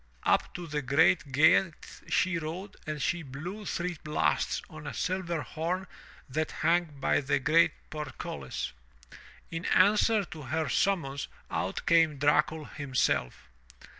Up to the great gate she rode and she blew three blasts on a silver horn that hung by the great portcullis. In answer to her summons out came Dracul himself.